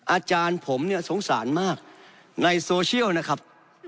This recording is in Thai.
อาจารย์ผมเนี่ยสงสารมากในโซเชียลนะครับ